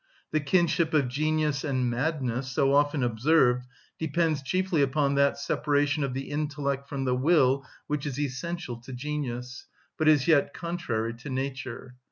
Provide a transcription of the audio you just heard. The kinship of genius and madness, so often observed, depends chiefly upon that separation of the intellect from the will which is essential to genius, but is yet contrary to nature.